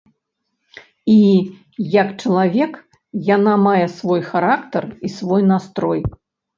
І, як чалавек, яна мае свой характар і свой настрой.